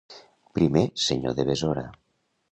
Primer senyor de Besora.